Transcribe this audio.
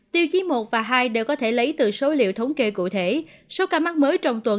tiêu chí một và hai đều có thể lấy từ số liệu thống kê cụ thể số ca mắc mới trong tuần